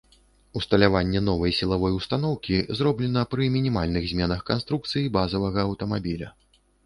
Усталяванне новай сілавой устаноўкі зроблена пры мінімальных зменах канструкцыі базавага аўтамабіля.